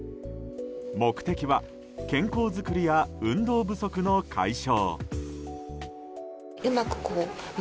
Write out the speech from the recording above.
目的は健康づくりや運動不足の解消。